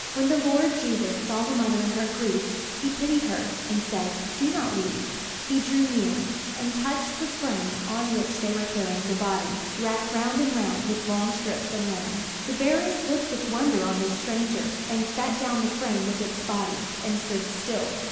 When the Lord Jesus saw the mother in her grief, he pitied her, and said, "Do not weep." He drew near, and touched the frame on which they were carrying the body, wrapped round and round with long strips of linen. The bearers looked with wonder on this stranger, and set down the frame with its body, and stood still.